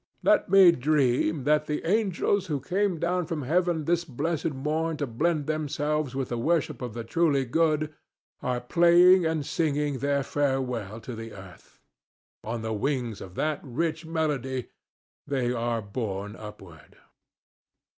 Let me dream that the angels who came down from heaven this blessed morn to blend themselves with the worship of the truly good are playing and singing their farewell to the earth. On the wings of that rich melody they were borne upward.